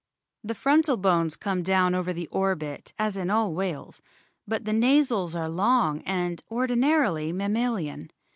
The frontal bones come down over the orbit as in all whales ; but the nasals are long and, ordinarily, mammalian.